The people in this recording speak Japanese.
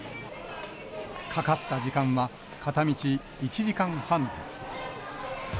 かかった時間は片道１時間半です。